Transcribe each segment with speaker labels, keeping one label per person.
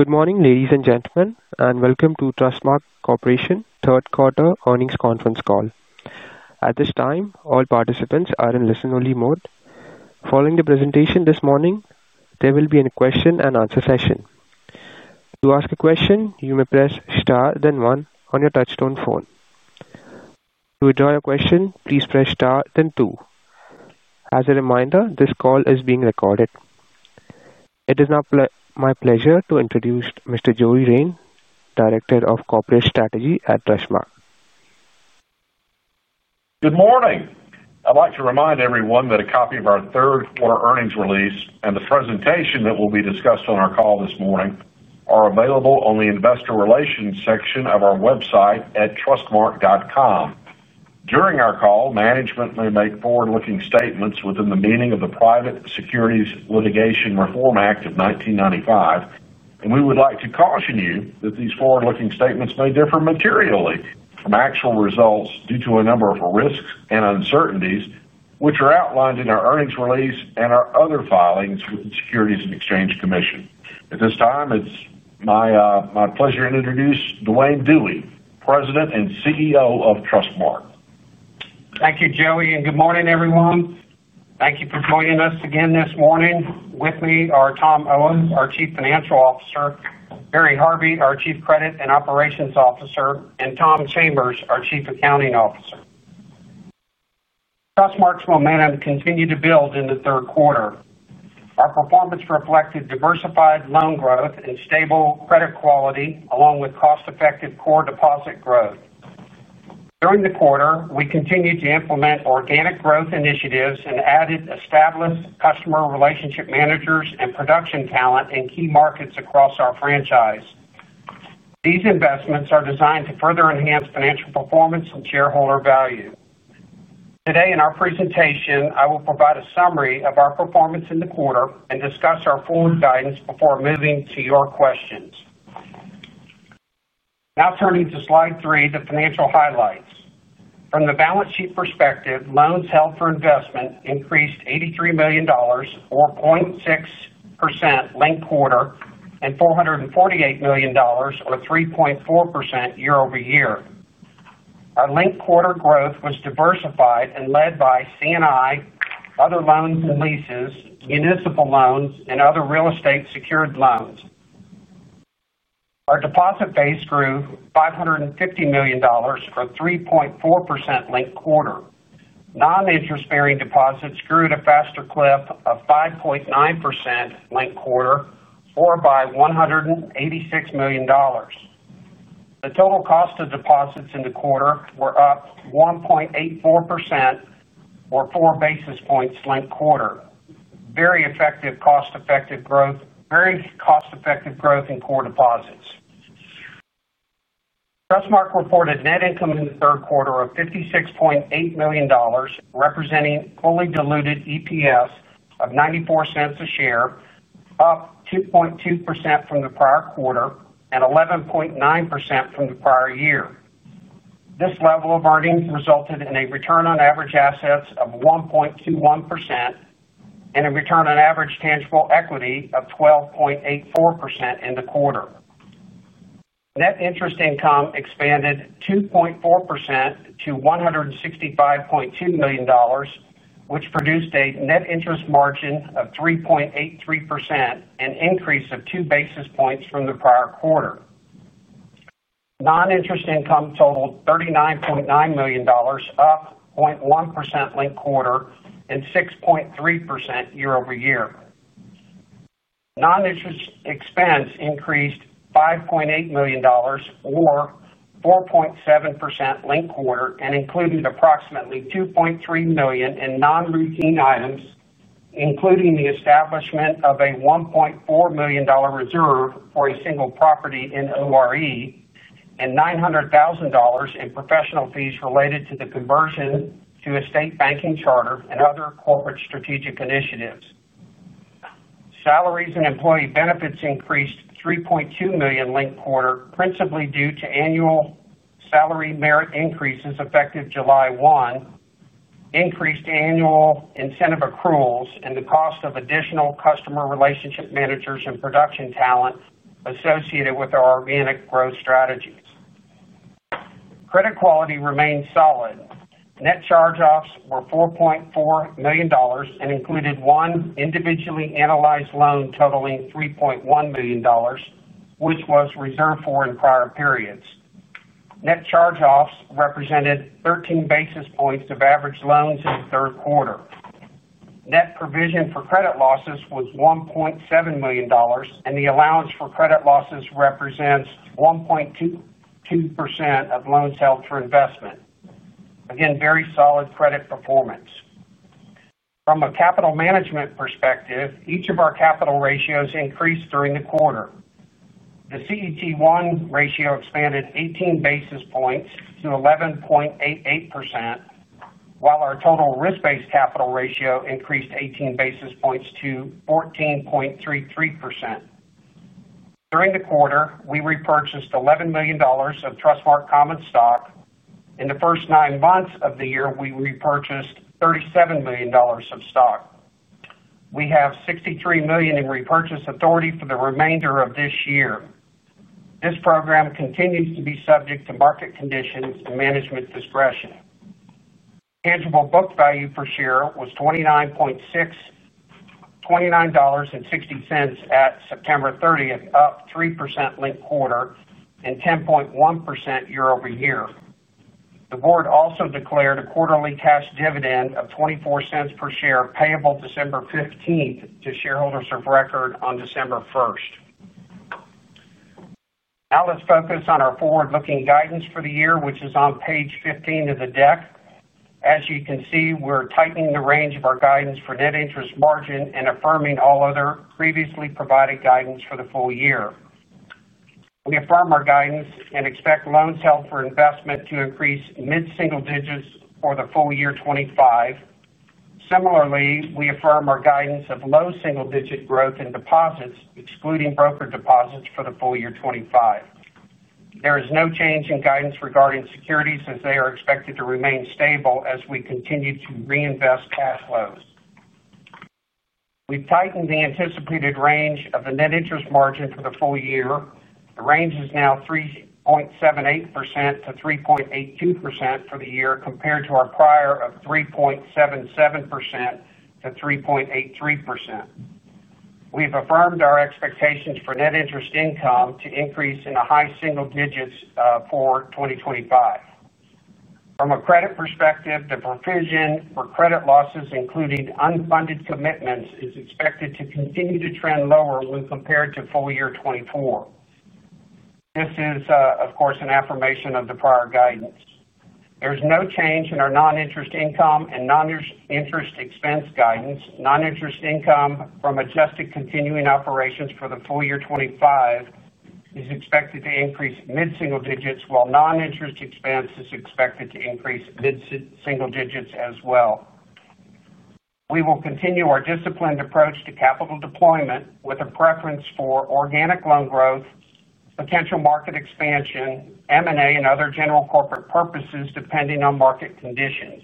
Speaker 1: Good morning, ladies and gentlemen, and welcome to Trustmark Corporation's third quarter earnings conference call. At this time, all participants are in listen-only mode. Following the presentation this morning, there will be a question and answer session. To ask a question, you may press star, then one on your touch-tone phone. To withdraw your question, please press star, then two. As a reminder, this call is being recorded. It is now my pleasure to introduce Mr. Joey Rein, Director of Corporate Strategy at Trustmark.
Speaker 2: Good morning. I'd like to remind everyone that a copy of our third-quarter earnings release and the presentation that will be discussed on our call this morning are available on the Investor Relations section of our website at trustmark.com. During our call, management may make forward-looking statements within the meaning of the Private Securities Litigation Reform Act of 1995, and we would like to caution you that these forward-looking statements may differ materially from actual results due to a number of risks and uncertainties, which are outlined in our earnings release and our other filings with the Securities and Exchange Commission. At this time, it's my pleasure to introduce Duane Dewey, President and CEO of Trustmark.
Speaker 3: Thank you, Joey, and good morning, everyone. Thank you for joining us again this morning. With me are Tom Owens, our Chief Financial Officer; Barry Harvey, our Chief Credit and Operations Officer; and Tom Chambers, our Chief Accounting Officer. Trustmark's momentum continued to build in the third quarter. Our performance reflected diversified loan growth and stable credit quality, along with cost-effective core deposit growth. During the quarter, we continued to implement organic growth initiatives and added established customer relationship managers and production talent in key markets across our franchise. These investments are designed to further enhance financial performance and shareholder value. Today, in our presentation, I will provide a summary of our performance in the quarter and discuss our forward guidance before moving to your questions. Now turning to slide three, the financial highlights. From the balance sheet perspective, loans held for investment increased $83 million, or 0.6% linked quarter, and $448 million, or 3.4% year-over-year. Our linked quarter growth was diversified and led by commercial and industrial loans, other loans and leases, municipal loans, and other real estate secured loans. Our deposit base grew $550 million, or 3.4% linked quarter. Non-interest-bearing deposits grew at a faster clip of 5.9% linked quarter, or by $186 million. The total cost of deposits in the quarter was up 1.84%, or four basis points linked quarter. Very effective cost-effective growth in core deposits. Trustmark reported net income in the third quarter of $56.8 million, representing fully diluted EPS of $0.94 a share, up 2.2% from the prior quarter and 11.9% from the prior year. This level of earnings resulted in a return on average assets of 1.21% and a return on average tangible equity of 12.84% in the quarter. Net interest income expanded 2.4% to $165.2 million, which produced a net interest margin of 3.83%, an increase of two basis points from the prior quarter. Non-interest income totaled $39.9 million, up 0.1% linked quarter and 6.3% year-over-year. Non-interest expense increased $5.8 million, or 4.7% linked quarter, and included approximately $2.3 million in non-routine items, including the establishment of a $1.4 million reserve for a single property in ORE and $900,000 in professional fees related to the conversion to a state banking charter and other corporate strategic initiatives. Salaries and employee benefits increased $3.2 million linked quarter, principally due to annual salary merit increases effective July 1, increased annual incentive accruals, and the cost of additional customer relationship managers and production talent associated with our organic growth strategies. Credit quality remained solid. Net charge-offs were $4.4 million and included one individually analyzed loan totaling $3.1 million, which was reserved for in prior periods. Net charge-offs represented 13 basis points of average loans in the third quarter. Net provision for credit losses was $1.7 million, and the allowance for credit losses represents 1.22% of loans held for investment. Again, very solid credit performance. From a capital management perspective, each of our capital ratios increased during the quarter. The CET1 ratio expanded 18 basis points to 11.88%, while our total risk-based capital ratio increased 18 basis points to 14.33%. During the quarter, we repurchased $11 million of Trustmark common stock. In the first nine months of the year, we repurchased $37 million of stock. We have $63 million in repurchase authority for the remainder of this year. This program continues to be subject to market conditions and management discretion. Tangible book value per share was $29.69 at September 30, up 3% linked quarter and 10.1% year-over-year. The board also declared a quarterly cash dividend of $0.24 per share, payable December 15 to shareholders of record on December 1st. Now let's focus on our forward-looking guidance for the year, which is on page 15 of the deck. As you can see, we're tightening the range of our guidance for net interest margin and affirming all other previously provided guidance for the full year. We affirm our guidance and expect loans held for investment to increase mid-single digits for the full year 2025. Similarly, we affirm our guidance of low single-digit growth in deposits, excluding brokered deposits for the full year 2025. There is no change in guidance regarding securities, as they are expected to remain stable as we continue to reinvest cash flows. We've tightened the anticipated range of the net interest margin for the full year. The range is now 3.78%-3.82% for the year, compared to our prior of 3.77%-3.83%. We've affirmed our expectations for net interest income to increase in the high single digits for 2025. From a credit perspective, the provision for credit losses, including unfunded commitments, is expected to continue to trend lower when compared to full year 2024. This is, of course, an affirmation of the prior guidance. There's no change in our non-interest income and non-interest expense guidance. Non-interest income from adjusted continuing operations for the full year 2025 is expected to increase mid-single digits, while non-interest expense is expected to increase mid-single digits as well. We will continue our disciplined approach to capital deployment with a preference for organic loan growth, potential market expansion, M&A, and other general corporate purposes, depending on market conditions.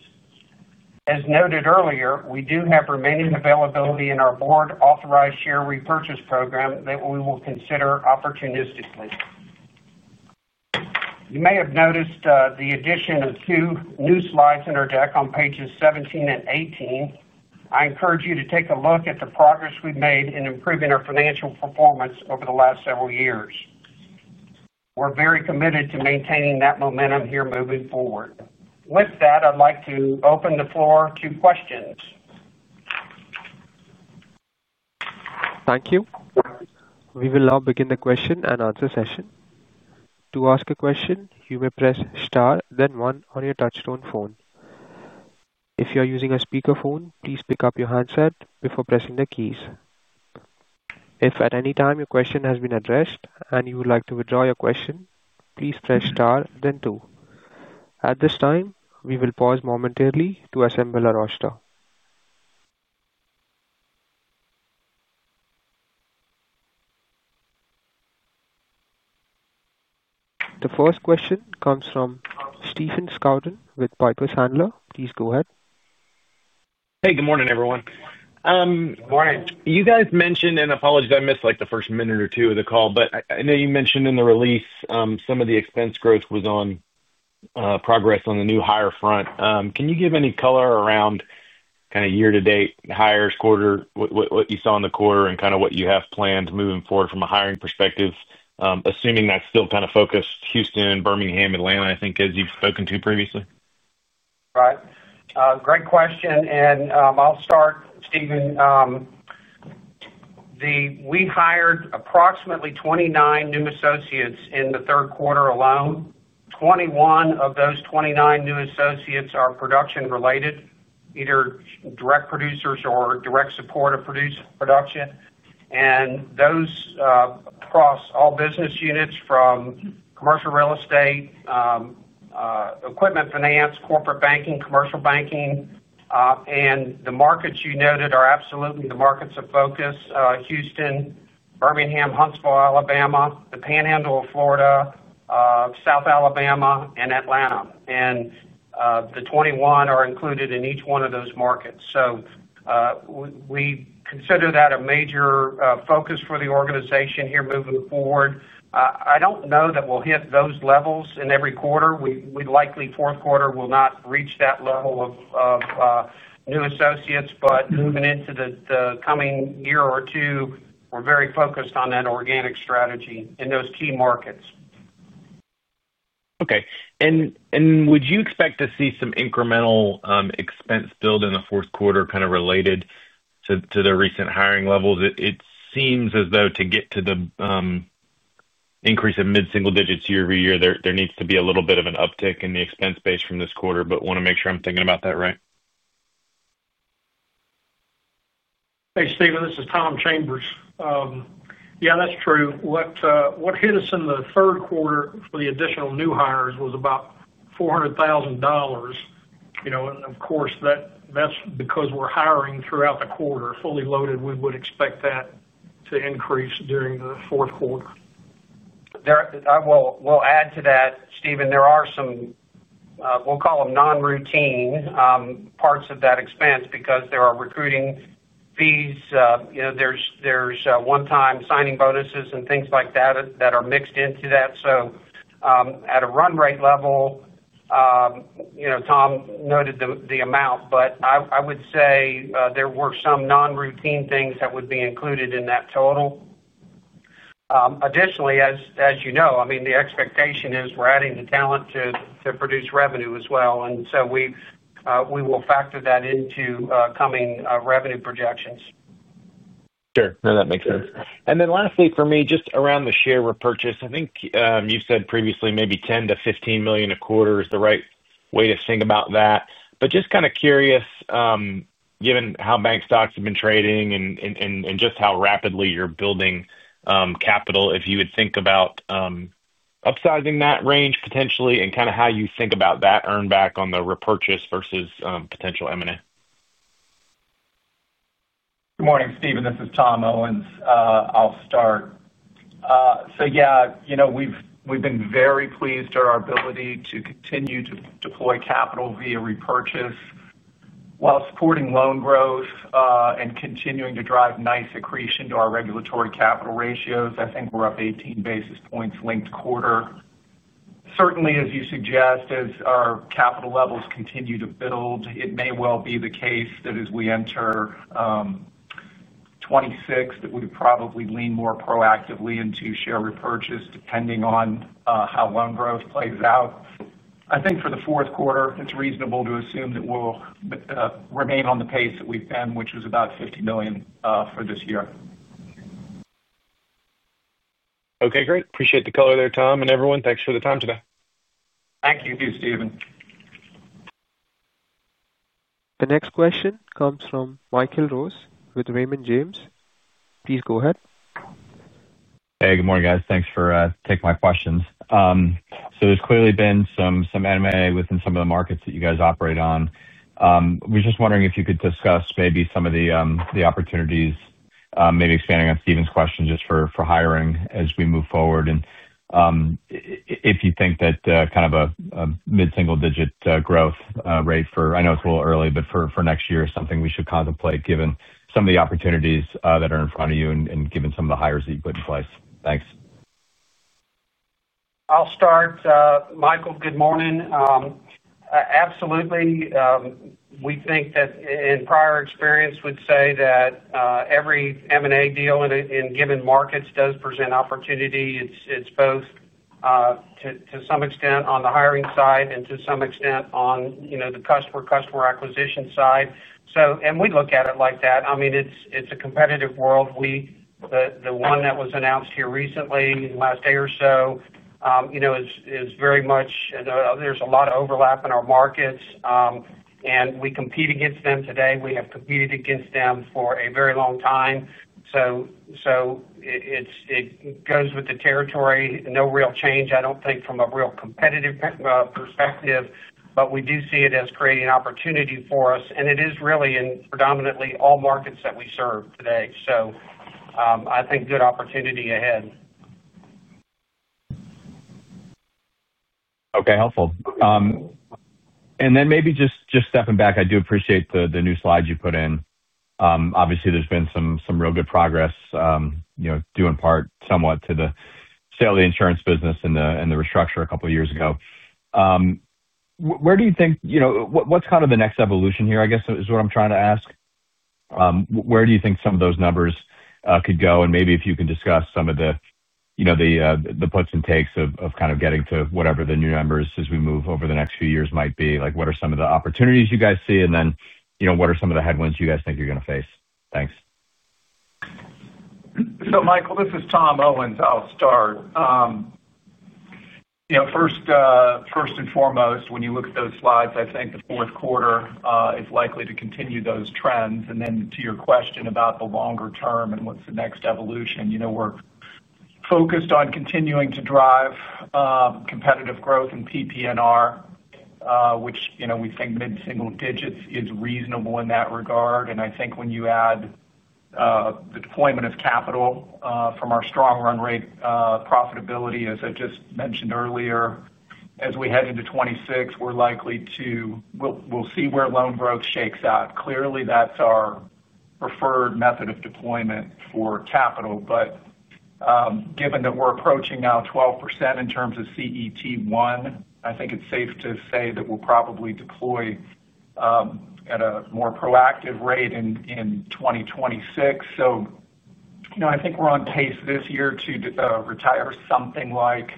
Speaker 3: As noted earlier, we do have remaining availability in our board-authorized share repurchase program that we will consider opportunistically. You may have noticed the addition of two new slides in our deck on pages 17 and 18. I encourage you to take a look at the progress we've made in improving our financial performance over the last several years. We're very committed to maintaining that momentum here moving forward. With that, I'd like to open the floor to questions.
Speaker 1: Thank you. We will now begin the question and answer session. To ask a question, you may press star, then one on your touch-tone phone. If you are using a speakerphone, please pick up your handset before pressing the keys. If at any time your question has been addressed and you would like to withdraw your question, please press star, then two. At this time, we will pause momentarily to assemble our roster. The first question comes from Stephen Scouten with Piper Sandler. Please go ahead.
Speaker 4: Hey, good morning, everyone. You guys mentioned, and apologies I missed the first minute or two of the call, but I know you mentioned in the release some of the expense growth was on progress on the new hire front. Can you give any color around kind of year-to-date hires, what you saw in the quarter, and what you have plans moving forward from a hiring perspective, assuming that's still kind of focused Houston, Birmingham, Atlanta, I think, as you've spoken to previously?
Speaker 3: Right. Great question. I'll start, Stephen. We hired approximately 29 new associates in the third quarter alone. 21 of those 29 new associates are production-related, either direct producers or direct support for production. Those cross all business units from commercial real estate, equipment finance, corporate banking, and commercial banking. The markets you noted are absolutely the markets of focus: Houston, Birmingham, Huntsville, Alabama, the Florida, South Alabama, and Atlanta. The 21 are included in each one of those markets. We consider that a major focus for the organization here moving forward. I don't know that we'll hit those levels in every quarter. We likely, in the fourth quarter, will not reach that level of new associates. Moving into the coming year or two, we're very focused on that organic strategy in those key markets.
Speaker 4: Would you expect to see some incremental expense build in the fourth quarter kind of related to the recent hiring levels? It seems as though to get to the increase of mid-single digits year-over-year, there needs to be a little bit of an uptick in the expense base from this quarter. I want to make sure I'm thinking about that right.
Speaker 5: Thanks, Stephen. This is Tom Chambers. Yeah, that's true. What hit us in the third quarter for the additional new hires was about $400,000. You know, that's because we're hiring throughout the quarter. Fully loaded, we would expect that to increase during the fourth quarter.
Speaker 3: I will add to that, Stephen. There are some, we'll call them non-routine parts of that expense because there are recruiting fees. There are one-time signing bonuses and things like that that are mixed into that. At a run rate level, Tom noted the amount, but I would say there were some non-routine things that would be included in that total. Additionally, as you know, the expectation is we're adding the talent to produce revenue as well. We will factor that into coming revenue projections.
Speaker 4: Sure. No, that makes sense. Lastly, for me, just around the share repurchase, I think you've said previously maybe $10 million-$15 million a quarter is the right way to think about that. I'm just kind of curious, given how bank stocks have been trading and how rapidly you're building capital, if you would think about upsizing that range potentially and how you think about that earned back on the repurchase versus potential M&A.
Speaker 6: Good morning, Stephen. This is Tom Owens. I'll start. We've been very pleased at our ability to continue to deploy capital via repurchase while supporting loan growth and continuing to drive nice accretion to our regulatory capital ratios. I think we're up 18 basis points linked quarter. Certainly, as you suggest, as our capital levels continue to build, it may well be the case that as we enter 2026, that we would probably lean more proactively into share repurchase, depending on how loan growth plays out. I think for the fourth quarter, it's reasonable to assume that we'll remain on the pace that we've been, which was about $50 million for this year.
Speaker 4: Okay, great. Appreciate the color there, Tom. Everyone, thanks for the time today.
Speaker 3: Thank you. Stephen.
Speaker 1: The next question comes from Michael Rose with Raymond James. Please go ahead.
Speaker 7: Hey, good morning, guys. Thanks for taking my questions. There's clearly been some M&A within some of the markets that you guys operate on. I was just wondering if you could discuss maybe some of the opportunities, maybe expanding on Stephen's question just for hiring as we move forward. If you think that kind of a mid-single digit growth rate for, I know it's a little early, but for next year is something we should contemplate, given some of the opportunities that are in front of you and given some of the hires that you put in place. Thanks.
Speaker 3: I'll start. Michael, good morning. Absolutely. We think that in prior experience, we'd say that every M&A deal in given markets does present opportunity. It's both to some extent on the hiring side and to some extent on the customer acquisition side. We look at it like that. I mean, it's a competitive world. The one that was announced here recently, in the last day or so, is very much, and there's a lot of overlap in our markets. We compete against them today. We have competed against them for a very long time. It goes with the territory. No real change, I don't think, from a real competitive perspective. We do see it as creating opportunity for us. It is really in predominantly all markets that we serve today. I think good opportunity ahead.
Speaker 7: Okay, helpful. I do appreciate the new slides you put in. Obviously, there's been some real good progress, you know, due in part somewhat to the sale of the insurance business and the restructure a couple of years ago. Where do you think, you know, what's kind of the next evolution here, I guess, is what I'm trying to ask? Where do you think some of those numbers could go? Maybe if you can discuss some of the, you know, the puts and takes of kind of getting to whatever the new numbers as we move over the next few years might be. What are some of the opportunities you guys see? What are some of the headwinds you guys think you're going to face? Thanks.
Speaker 6: Michael, this is Tom Owens. I'll start. First and foremost, when you look at those slides, I think the fourth quarter is likely to continue those trends. To your question about the longer term and what's the next evolution, we're focused on continuing to drive competitive growth in PPNR, which we think mid-single digits is reasonable in that regard. I think when you add the deployment of capital from our strong run rate profitability, as I just mentioned earlier, as we head into 2026, we're likely to, we'll see where loan growth shakes out. Clearly, that's our preferred method of deployment for capital. Given that we're approaching now 12% in terms of CET1, I think it's safe to say that we'll probably deploy at a more proactive rate in 2026. I think we're on pace this year to retire something like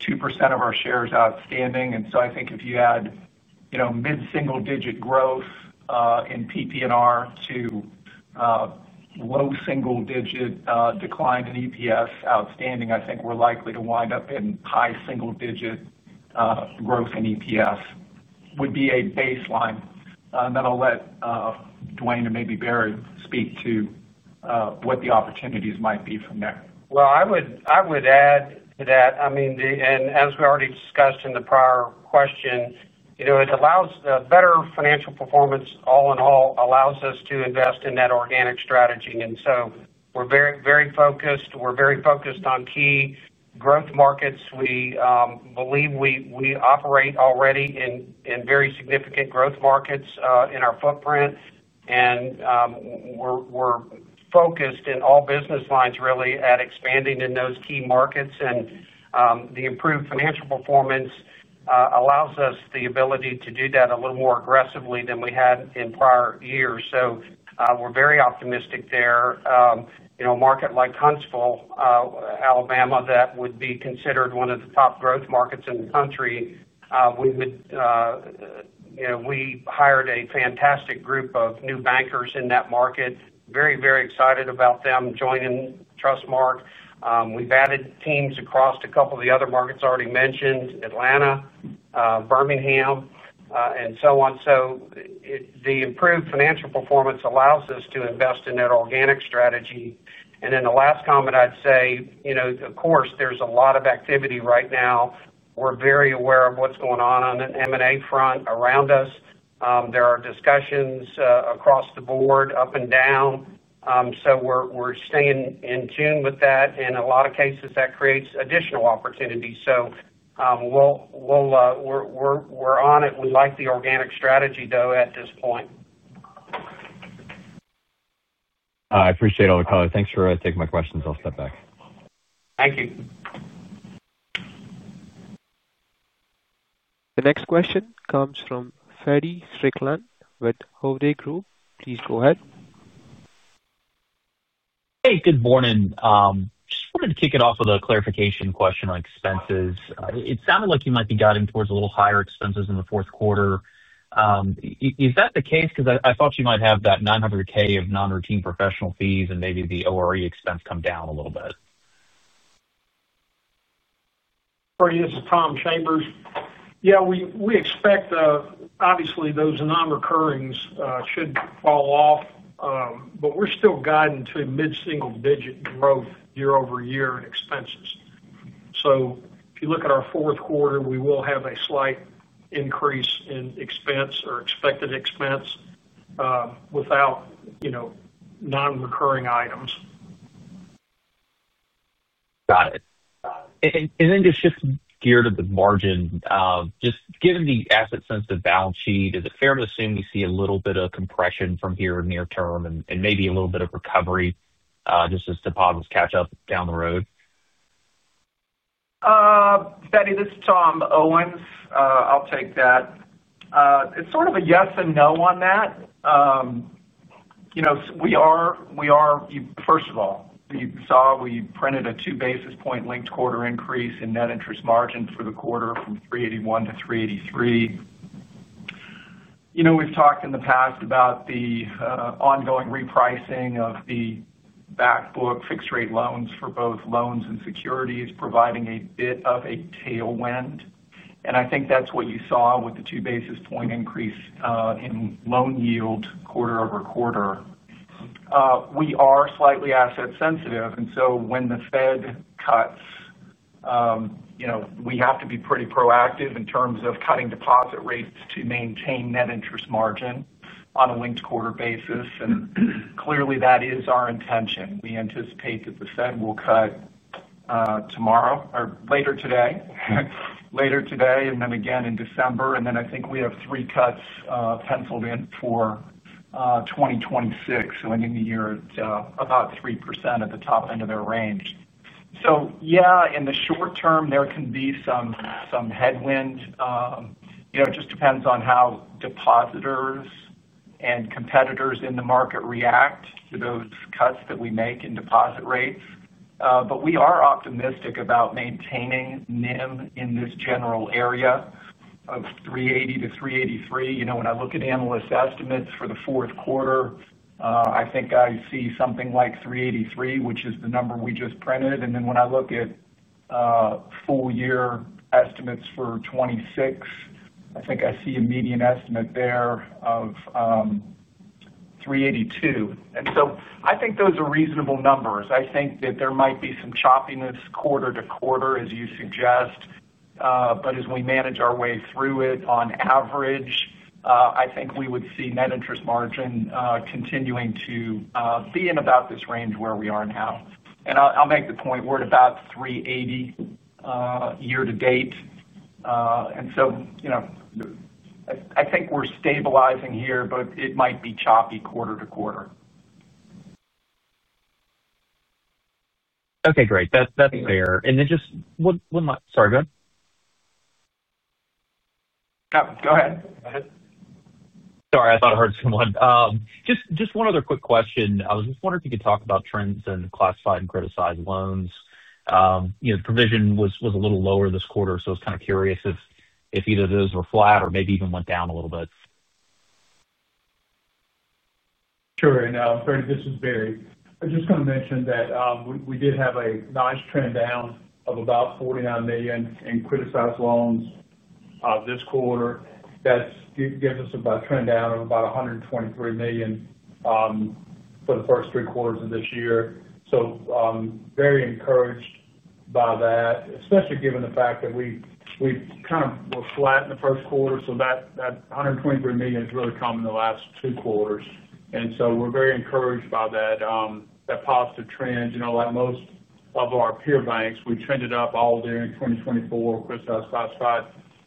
Speaker 6: 2% of our shares outstanding. If you add mid-single digit growth in PPNR to low single digit decline in EPS outstanding, I think we're likely to wind up in high single digit growth in EPS as a baseline. I'll let Duane and maybe Barry speak to what the opportunities might be from there.
Speaker 3: I would add to that. As we already discussed in the prior question, it allows better financial performance all in all, allows us to invest in that organic strategy. We're very, very focused. We're very focused on key growth markets. We believe we operate already in very significant growth markets in our footprint. We're focused in all business lines, really, at expanding in those key markets. The improved financial performance allows us the ability to do that a little more aggressively than we had in prior years. We're very optimistic there. A market like Huntsville, Alabama, would be considered one of the top growth markets in the country. We hired a fantastic group of new bankers in that market. Very, very excited about them joining Trustmark. We've added teams across a couple of the other markets already mentioned, Atlanta, Birmingham, and so on. The improved financial performance allows us to invest in that organic strategy. The last comment I'd say, of course, there's a lot of activity right now. We're very aware of what's going on on an M&A front around us. There are discussions across the board, up and down. We're staying in tune with that. In a lot of cases, that creates additional opportunities. We're on it. We like the organic strategy, though, at this point.
Speaker 7: I appreciate all the color. Thanks for taking my questions. I'll step back.
Speaker 3: Thank you.
Speaker 1: The next question comes from Feddie Strickland with Hovde Group. Please go ahead.
Speaker 8: Hey, good morning. Just wanted to kick it off with a clarification question on expenses. It sounded like you might be guiding towards a little higher expenses in the fourth quarter. Is that the case? I thought you might have that $900,000 of non-routine professional fees and maybe the ORE expense come down a little bit.
Speaker 5: For you, this is Tom Chambers. We expect the, obviously, those non-recurrings should fall off. We're still guiding to mid-single digit growth year-over-year in expenses. If you look at our fourth quarter, we will have a slight increase in expense or expected expense without, you know, non-recurring items.
Speaker 8: Got it. Got it. Just shifting gear to the margin, just given the asset-sensitive balance sheet, is it fair to assume we see a little bit of compression from here in the near term and maybe a little bit of recovery just as deposits catch up down the road?
Speaker 6: Feddie, this is Tom Owens. I'll take that. It's sort of a yes and no on that. You saw we printed a 2 basis point linked quarter increase in net interest margin for the quarter from 3.81%-3.83%. We've talked in the past about the ongoing repricing of the back book fixed-rate loans for both loans and securities, providing a bit of a tailwind. I think that's what you saw with the 2 basis point increase in loan yield quarter-over quarter. We are slightly asset-sensitive. When the Fed cuts, we have to be pretty proactive in terms of cutting deposit rates to maintain net interest margin on a linked quarter basis. Clearly, that is our intention. We anticipate that the Fed will cut tomorrow or later today, and then again in December. I think we have three cuts penciled in for 2026, ending the year at about 3% at the top end of their range. In the short term, there can be some headwind. It just depends on how depositors and competitors in the market react to those cuts that we make in deposit rates. We are optimistic about maintaining NIM in this general area of 3.80%-3.83%. When I look at analyst estimates for the fourth quarter, I think I see something like 3.83%, which is the number we just printed. When I look at full-year estimates for 2026, I think I see a median estimate there of 3.82%. I think those are reasonable numbers. There might be some choppiness quarter to quarter, as you suggest. As we manage our way through it, on average, I think we would see net interest margin continuing to be in about this range where we are now. I'll make the point, we're at about 3.80% year to date. I think we're stabilizing here, but it might be choppy quarter to quarter.
Speaker 8: Okay, great. That's fair. Just one last, sorry.
Speaker 5: No, go ahead.
Speaker 8: Sorry. I thought I heard someone. Just one other quick question. I was just wondering if you could talk about trends in classified and criticized loans. The provision was a little lower this quarter, so I was kind of curious if either of those were flat or maybe even went down a little bit.
Speaker 9: Sure. Freddie, this is Barry. I just want to mention that we did have a nice trend down of about $49 million in criticized loans this quarter. That gives us about a trend down of about $123 million for the first three quarters of this year. Very encouraged by that, especially given the fact that we kind of were flat in the first quarter. That $123 million has really come in the last two quarters. Very encouraged by that positive trend. Like most of our peer banks, we trended up all during 2024, criticized classified,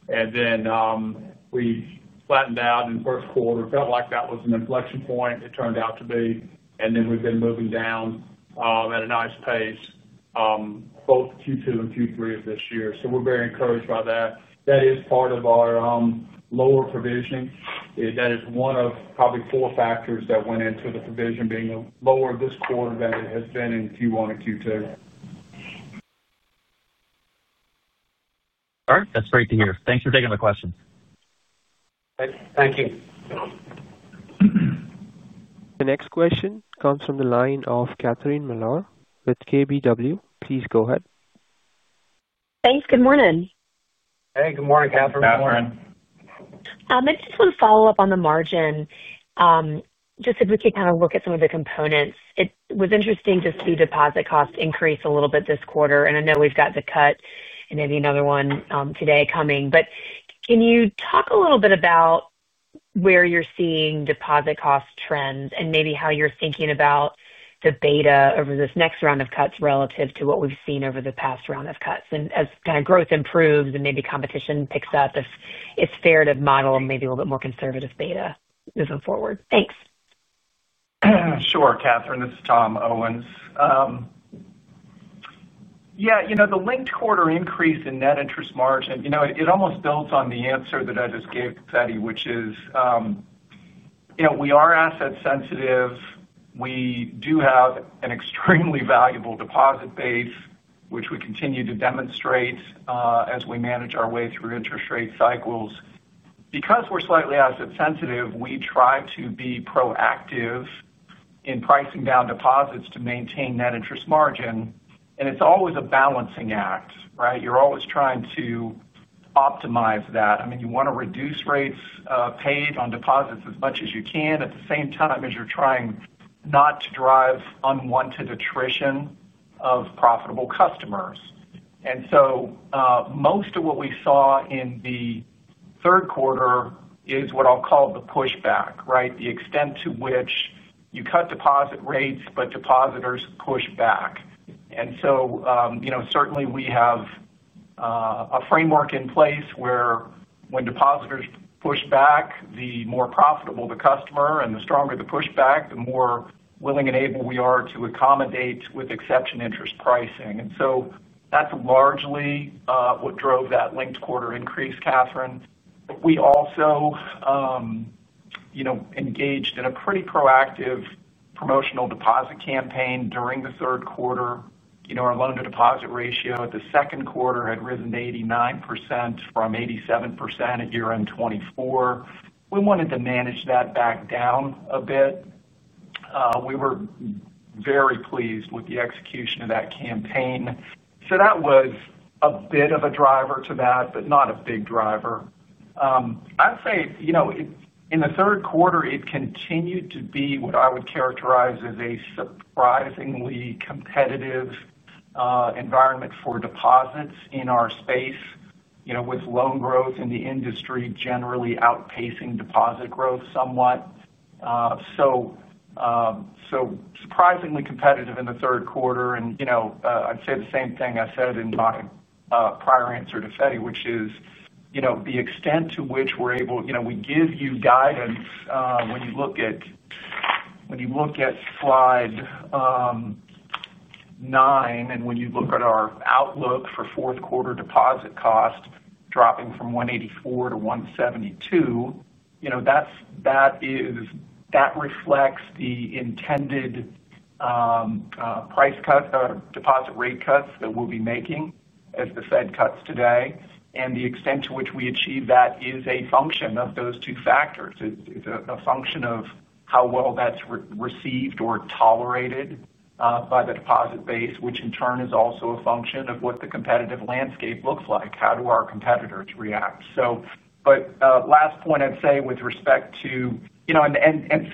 Speaker 9: and then we flattened out in the first quarter. It felt like that was an inflection point. It turned out to be, and we've been moving down at a nice pace, both Q2 and Q3 of this year. Very encouraged by that. That is part of our lower provisioning. That is one of probably four factors that went into the provision being lower this quarter than it has been in Q1 and Q2.
Speaker 8: All right. That's great to hear. Thanks for taking the question.
Speaker 9: Thank you.
Speaker 1: The next question comes from the line of Catherine Mealor with KBW. Please go ahead.
Speaker 10: Thanks. Good morning.
Speaker 3: Hey, good morning, Catherine.
Speaker 10: I just want to follow up on the margin, just if we could kind of look at some of the components. It was interesting to see deposit cost increase a little bit this quarter. I know we've got the cut and maybe another one today coming. Can you talk a little bit about where you're seeing deposit cost trends and maybe how you're thinking about the beta over this next round of cuts relative to what we've seen over the past round of cuts? As kind of growth improves and maybe competition picks up, if it's fair to model maybe a little bit more conservative beta moving forward. Thanks.
Speaker 6: Sure, Catherine. This is Tom Owens. The linked quarter increase in net interest margin almost builds on the answer that I just gave to Betty, which is, we are asset-sensitive. We do have an extremely valuable deposit base, which we continue to demonstrate as we manage our way through interest rate cycles. Because we're slightly asset-sensitive, we try to be proactive in pricing down deposits to maintain net interest margin. It's always a balancing act, right? You're always trying to optimize that. You want to reduce rates paid on deposits as much as you can at the same time as you're trying not to drive unwanted attrition of profitable customers. Most of what we saw in the third quarter is what I'll call the pushback, the extent to which you cut deposit rates, but depositors push back. Certainly, we have a framework in place where when depositors push back, the more profitable the customer and the stronger the pushback, the more willing and able we are to accommodate with exception interest pricing. That's largely what drove that linked quarter increase, Catherine. We also engaged in a pretty proactive promotional deposit campaign during the third quarter. Our loan-to-deposit ratio at the second quarter had risen to 89% from 87% at year-end 2024. We wanted to manage that back down a bit. We were very pleased with the execution of that campaign. That was a bit of a driver to that, but not a big driver. In the third quarter, it continued to be what I would characterize as a surprisingly competitive environment for deposits in our space, with loan growth in the industry generally outpacing deposit growth somewhat. Surprisingly competitive in the third quarter. I'd say the same thing I said in my prior answer to Feddie, which is, the extent to which we're able, we give you guidance when you look at slide nine and when you look at our outlook for fourth quarter deposit cost dropping from 1.84%-1.72%. That reflects the intended price cut or deposit rate cuts that we'll be making as the Fed cuts today. The extent to which we achieve that is a function of those two factors. It's a function of how well that's received or tolerated by the deposit base, which in turn is also a function of what the competitive landscape looks like. How do our competitors react? Last point I'd say with respect to, you know, and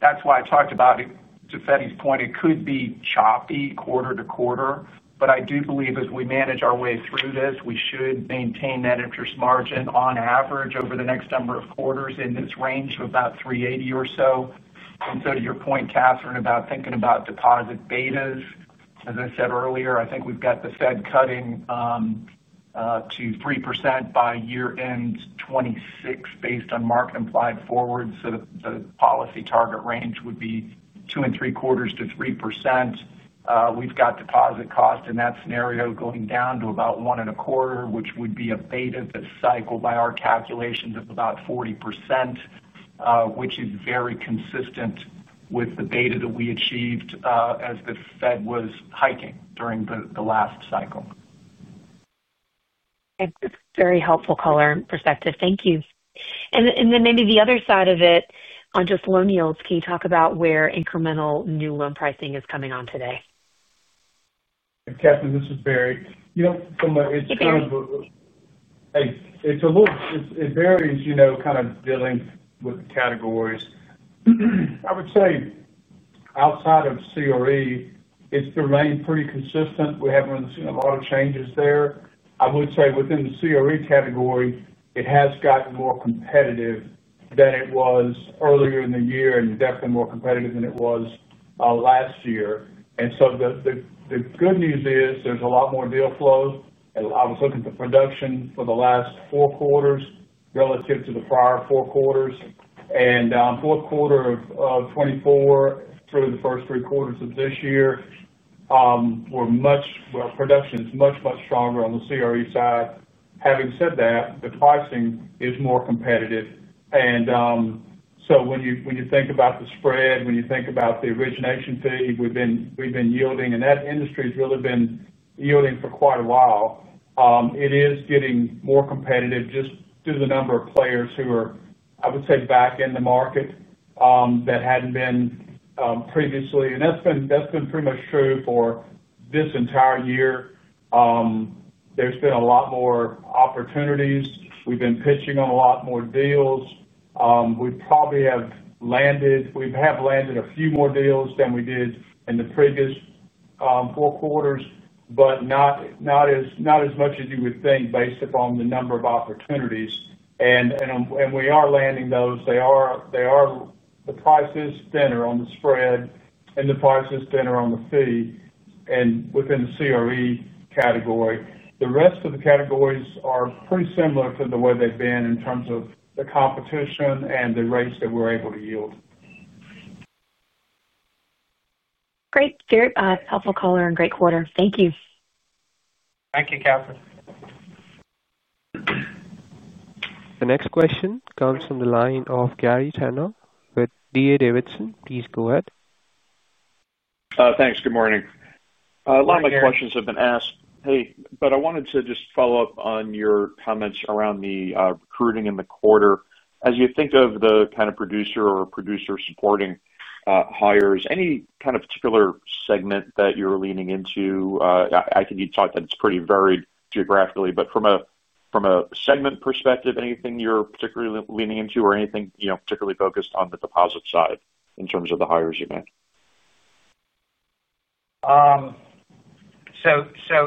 Speaker 6: that's why I talked about it. To Feddie point, it could be choppy quarter-to-quarter. I do believe as we manage our way through this, we should maintain that interest margin on average over the next number of quarters in this range of about 3.80% or so. To your point, Catherine about thinking about deposit betas, as I said earlier, I think we've got the Fed cutting to 3% by year-end 2026 based on market implied forward. The policy target range would be 2.75%-3%. We've got deposit cost in that scenario going down to about 1.25%, which would be a beta this cycle by our calculations of about 40%, which is very consistent with the beta that we achieved as the Fed was hiking during the last cycle.
Speaker 10: It's very helpful color and perspective. Thank you. Maybe the other side of it on just loan yields, can you talk about where incremental new loan pricing is coming on today?
Speaker 9: Catherine, this is Barry. It's kind of a, it varies, kind of dealing with the categories. I would say outside of commercial real estate, it's remained pretty consistent. We haven't really seen a lot of changes there. Within the commercial real estate category, it has gotten more competitive than it was earlier in the year and definitely more competitive than it was last year. The good news is there's a lot more deal flow. I was looking at the production for the last four quarters relative to the prior four quarters. On fourth quarter of 2024 through the first three quarters of this year, production is much, much stronger on the commercial real estate side. Having said that, the pricing is more competitive. When you think about the spread, when you think about the origination fee we've been yielding, and that industry has really been yielding for quite a while, it is getting more competitive just through the number of players who are back in the market that hadn't been previously. That's been pretty much true for this entire year. There's been a lot more opportunities. We've been pitching on a lot more deals. We probably have landed, we have landed a few more deals than we did in the previous four quarters, but not as much as you would think based upon the number of opportunities. We are landing those. The price is thinner on the spread and the price is thinner on the fee and within the commercial real estate category. The rest of the categories are pretty similar to the way they've been in terms of the competition and the rates that we're able to yield.
Speaker 10: Great. It's a helpful color and great quarter. Thank you.
Speaker 3: Thank you, Catherine.
Speaker 1: The next question comes from the line of Gary Tenner with D.A. Davidson. Please go ahead.
Speaker 11: Thanks. Good morning. A lot of my questions have been asked, but I wanted to just follow up on your comments around the recruiting in the quarter. As you think of the kind of producer or producer supporting hires, any kind of particular segment that you're leaning into? I think you talked that it's pretty varied geographically, but from a segment perspective, anything you're particularly leaning into or anything you know particularly focused on the deposit side in terms of the hires you make?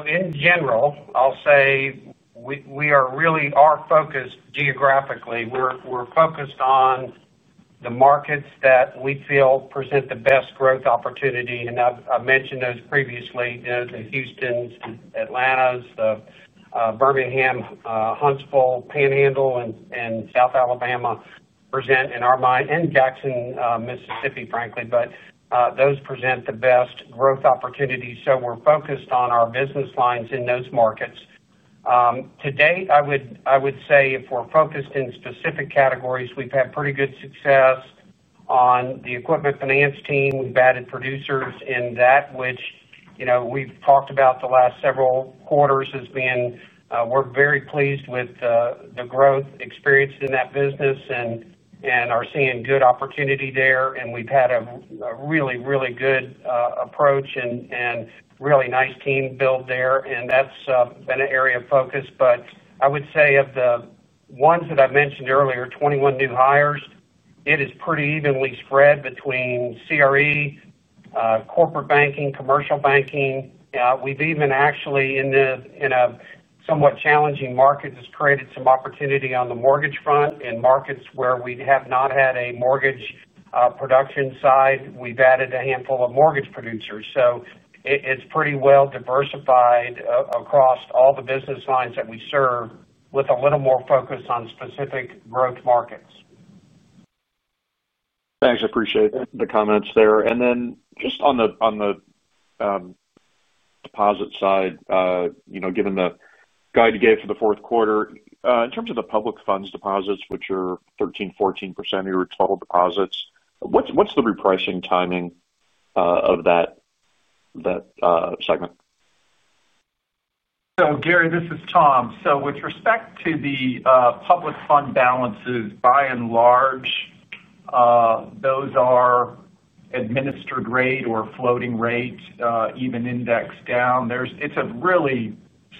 Speaker 3: In general, I'll say we are really focused geographically. We're focused on the markets that we feel present the best growth opportunity. I mentioned those previously, you know, Houston, Atlanta, Birmingham, Huntsville, Panhandle, and South Alabama, and Jackson, Mississippi, frankly. Those present the best growth opportunities. We're focused on our business lines in those markets. To date, I would say if we're focused in specific categories, we've had pretty good success on the equipment finance team. We've added producers in that, which, you know, we've talked about the last several quarters as being, we're very pleased with the growth experience in that business and are seeing good opportunity there. We've had a really, really good approach and really nice team build there. That's been an area of focus. Of the ones that I mentioned earlier, 21 new hires, it is pretty evenly spread between commercial real estate, corporate banking, commercial banking. We've even actually, in a somewhat challenging market, just created some opportunity on the mortgage front in markets where we have not had a mortgage production side. We've added a handful of mortgage producers. It's pretty well diversified across all the business lines that we serve with a little more focus on specific growth markets.
Speaker 11: Thanks. I appreciate the comments there. Just on the deposit side, given the guide you gave for the fourth quarter, in terms of the public funds deposits, which are 13%-14% of your total deposits, what's the repricing timing of that segment?
Speaker 6: Gary, this is Tom. With respect to the public fund balances, by and large, those are administered rate or floating rate, even indexed down. It's a really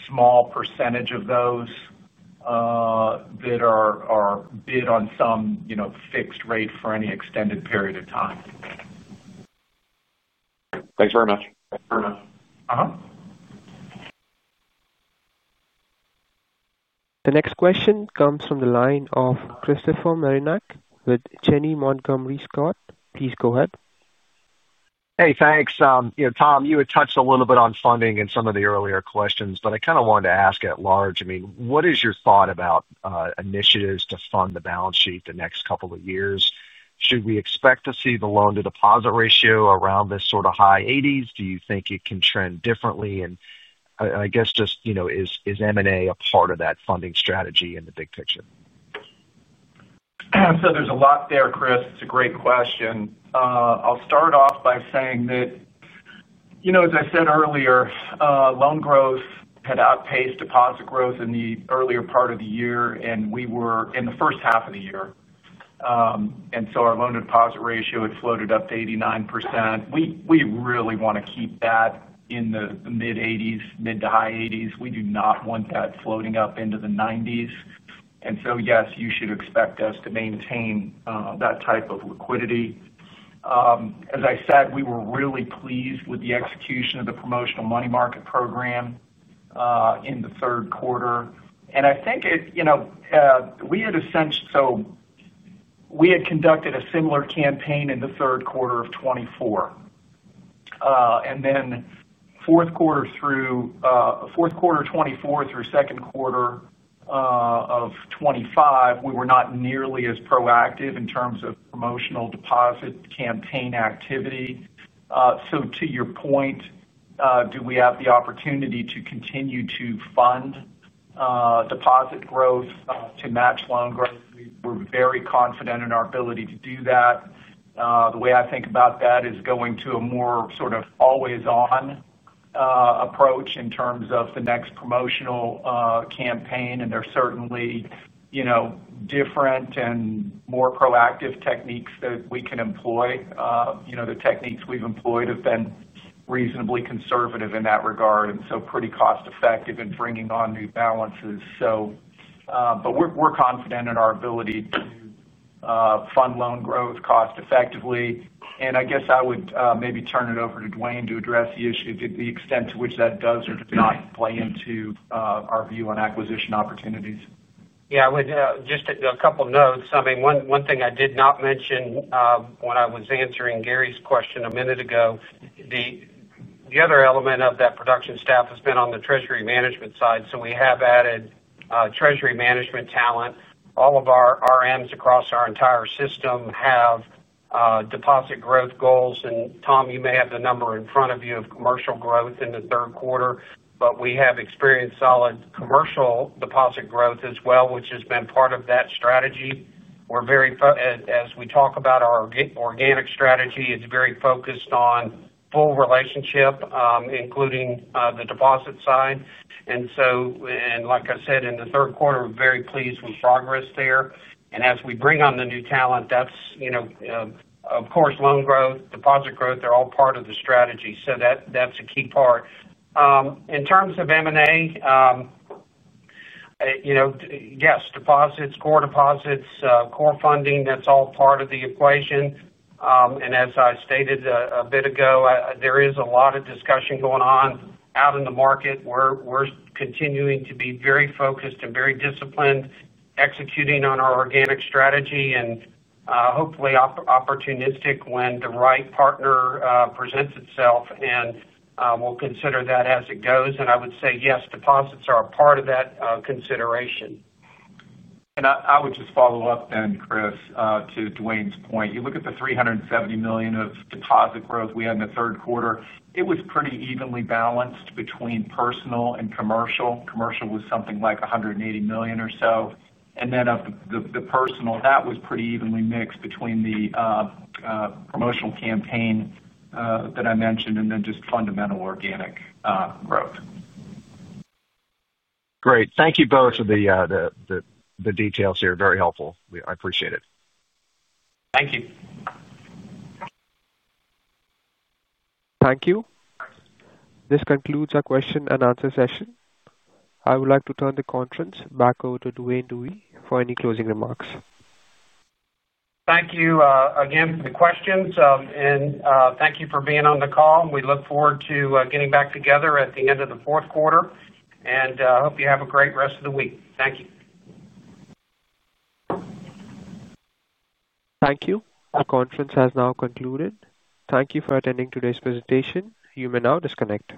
Speaker 6: small percentage of those that are bid on some fixed rate for any extended period of time.
Speaker 11: Thanks very much.
Speaker 1: The next question comes from the line of Christopher Marinac with Janney Montgomery Scott. Please go ahead.
Speaker 12: Hey, thanks. Tom, you had touched a little bit on funding in some of the earlier questions, but I kind of wanted to ask at large. I mean, what is your thought about initiatives to fund the balance sheet the next couple of years? Should we expect to see the loan-to-deposit ratio around this sort of high 80s? Do you think it can trend differently? I guess just, you know, is M&A a part of that funding strategy in the big picture?
Speaker 6: There's a lot there, Chris. It's a great question. I'll start off by saying that, as I said earlier, loan growth had outpaced deposit growth in the earlier part of the year, and we were in the first half of the year. Our loan-to-deposit ratio had floated up to 89%. We really want to keep that in the mid-80s, mid-to-high 80s. We do not want that floating up into the 90s. Yes, you should expect us to maintain that type of liquidity. As I said, we were really pleased with the execution of the promotional money market program in the third quarter. I think we had essentially conducted a similar campaign in the third quarter of 2024. Then fourth quarter 2024 through second quarter of 2025, we were not nearly as proactive in terms of promotional deposit campaign activity. To your point, do we have the opportunity to continue to fund deposit growth to match loan growth? We're very confident in our ability to do that. The way I think about that is going to a more sort of always-on approach in terms of the next promotional campaign. There are certainly different and more proactive techniques that we can employ. The techniques we've employed have been reasonably conservative in that regard and pretty cost-effective in bringing on new balances. We're confident in our ability to fund loan growth cost-effectively. I would maybe turn it over to Duane to address the issue to the extent to which that does or does not play into our view on acquisition opportunities.
Speaker 3: Yeah. I would just add a couple of notes. One thing I did not mention when I was answering Gary's question a minute ago, the other element of that production staff has been on the treasury management side. We have added treasury management talent. All of our RMs across our entire system have deposit growth goals. Tom, you may have the number in front of you of commercial growth in the third quarter, but we have experienced solid commercial deposit growth as well, which has been part of that strategy. As we talk about our organic strategy, it's very focused on full relationship, including the deposit side. Like I said, in the third quarter, we're very pleased with progress there. As we bring on the new talent, that's, of course, loan growth, deposit growth, they're all part of the strategy. That's a key part. In terms of M&A, yes, deposits, core deposits, core funding, that's all part of the equation. As I stated a bit ago, there is a lot of discussion going on out in the market. We're continuing to be very focused and very disciplined executing on our organic strategy and hopefully opportunistic when the right partner presents itself and will consider that as it goes. I would say, yes, deposits are a part of that consideration.
Speaker 6: I would just follow up then, Chris, to Duane's point. You look at the $370 million of deposit growth we had in the third quarter. It was pretty evenly balanced between personal and commercial. Commercial was something like $180 million or so. Of the personal, that was pretty evenly mixed between the promotional campaign that I mentioned and just fundamental organic growth.
Speaker 12: Great. Thank you both for the details here. Very helpful. I appreciate it.
Speaker 3: Thank you.
Speaker 1: Thank you. This concludes our question and answer session. I would like to turn the conference back over to Duane Dewey for any closing remarks.
Speaker 3: Thank you again for the questions. Thank you for being on the call. We look forward to getting back together at the end of the fourth quarter. I hope you have a great rest of the week. Thank you.
Speaker 1: Thank you. Our conference has now concluded. Thank you for attending today's presentation. You may now disconnect.